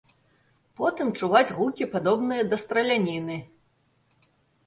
Потым чуваць гукі падобныя да страляніны.